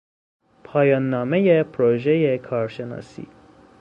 پایاننامهٔ پروژهٔ کارشناسی